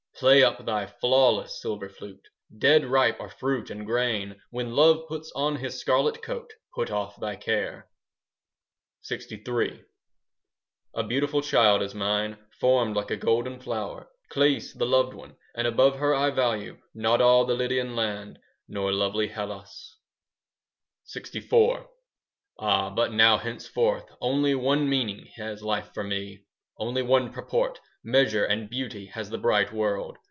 Play up thy flawless silver flute; 5 Dead ripe are fruit and grain. When love puts on his scarlet coat, Put off thy care. LXIII A beautiful child is mine, Formed like a golden flower, Cleis the loved one. And above her I value Not all the Lydian land, 5 Nor lovely Hellas. LXIV Ah, but now henceforth Only one meaning Has life for me. Only one purport, Measure and beauty, 5 Has the bright world.